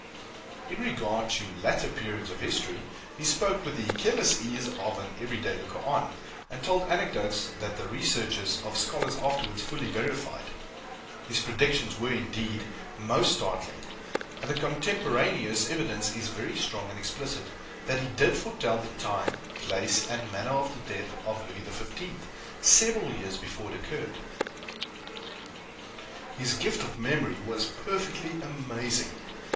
In regard to later periods of history, he spoke with the careless ease of an every day looker on; and told anecdotes that the researches of scholars afterwards fully verified. His predictions were, indeed, most startling; and the cotemporaneous evidence is very strong and explicit, that he did foretell the time, place, and manner of the death of Louis XV, several years before it occurred. His gift of memory was perfectly amazing.